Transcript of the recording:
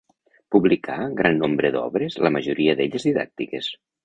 Publicà gran nombre d'obres, la majoria d'elles didàctiques.